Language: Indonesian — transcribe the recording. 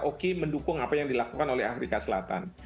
oki mendukung apa yang dilakukan oleh afrika selatan